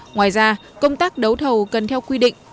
ngoài ra công tác đấu thầu cần theo quy định